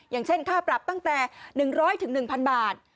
อย่างเช่นค่าปรับตั้งแต่๑๐๐๑๐๐บาท